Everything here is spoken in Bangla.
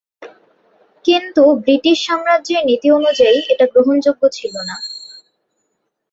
কিন্তু ব্রিটিশ সাম্রাজ্যের নীতি অনুযায়ী এটা গ্রহণযোগ্য ছিল না।